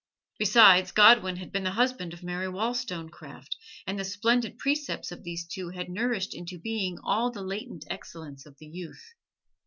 Besides, Godwin had been the husband of Mary Wollstonecraft, and the splendid precepts of these two had nourished into being all the latent excellence of the youth.